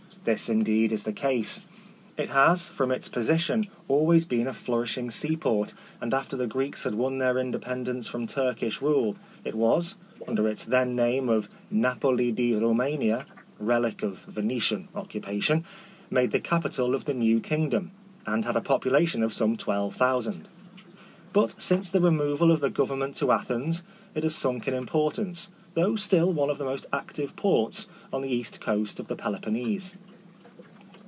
This indeed is the case. It has, from its position, always been a flourishing seaport, and after the Greeks had won their independence from Turk ish rule, it was, under its then name of Napoli di Eoumania (relic of Venetian occupation), made the capital of the new kingdom, and had a population of some 12,000. But since the removal of the Gov ernment to Athens, it has sunk in importance, though still one of the most active ports on the east coast of the Peloponnese.